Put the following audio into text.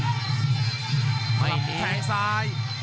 สำหรับแค่งซ้าย